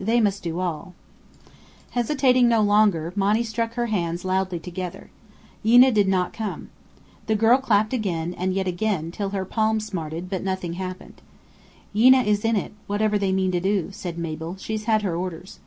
They must do all. Hesitating no longer, Monny struck her hands loudly together. Yeena did not come. The girl clapped again, and yet again, till her palms smarted, but nothing happened. "Yeena is in it whatever they mean to do," said Mabel. "She's had her orders."